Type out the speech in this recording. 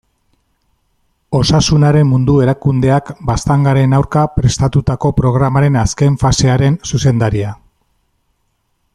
Osasunaren Mundu Erakundeak baztangaren aurka prestatutako programaren azken fasearen zuzendaria.